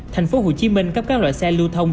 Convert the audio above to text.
tp hcm cấm các loại xe lưu thông